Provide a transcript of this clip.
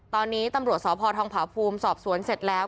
ตอนนี้ตำรวจสพทองผาภูมิสอบสวนเสร็จแล้ว